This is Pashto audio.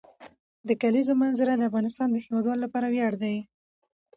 د کلیزو منظره د افغانستان د هیوادوالو لپاره ویاړ دی.